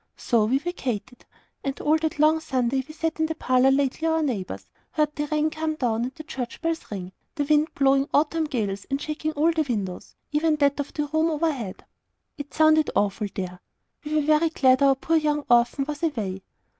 So we vacated; and all that long Sunday we sat in the parlour lately our neighbour's, heard the rain come down, and the church bells ring; the wind blowing autumn gales, and shaking all the windows, even that of the room overhead. It sounded awful THERE. We were very glad the poor young orphan was away.